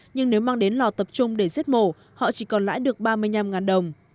nhưng nếu mang đến lò tập trung để giết mổ họ chỉ còn lãi được ba mươi năm đồng